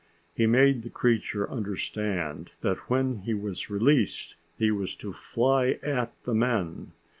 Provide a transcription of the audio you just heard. He made the creature understand that when he was released, he was to fly at the men.